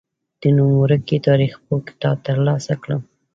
د نوم ورکي تاریخپوه کتاب تر لاسه کړم.